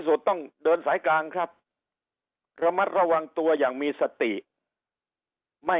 สุดต้องเดินสายกลางครับระมัดระวังตัวอย่างมีสติไม่